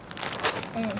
うん。